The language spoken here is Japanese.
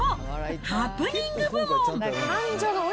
ハプニング部門。